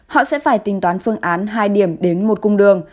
họ sẽ phải tính toán phương án hai điểm đến một cung đường